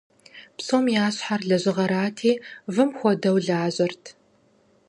Псом ящхьэр лэжьыгъэрати, вым хуэдэу лажьэрт.